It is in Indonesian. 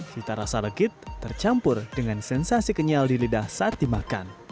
cita rasa legit tercampur dengan sensasi kenyal di lidah saat dimakan